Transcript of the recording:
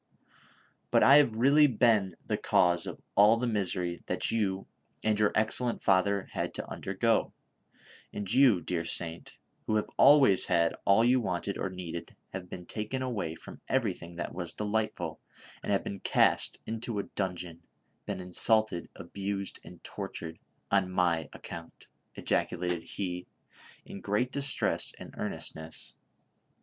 " But I have really been the cause of all the misery that you and your excellent father had to undergo ; and you, dear saint, who have always had all you wanted or needed have been taken away from everything that was delightful, and have been cast into a dungeon, been insulted, abused and tortured on my account !" ejaculated lie, in great dis tress and earnestness.